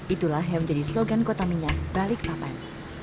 itulah yang menjadi slogan kota minyak balikpapan